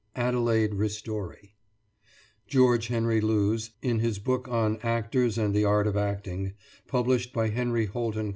ADELAIDE RISTORI [George Henry Lewes, in his book on "Actors and the Art of Acting," published by Henry Holt & Co.